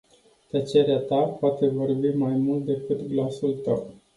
Tăcerea ta poate vorbi mai mult decât glasul tău.